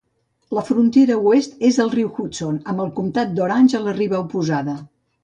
La frontera oest és el riu Hudson, amb el comtat d'Orange a la riba oposada.